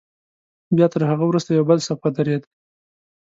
بیا تر هغه وروسته یو بل صف ودرېد.